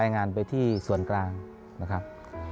งานไปที่ส่วนกลางนะครับ